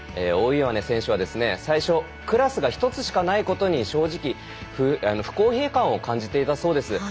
大岩根選手は最初クラスが１つしかないことに正直不公平感を感じていたそうです。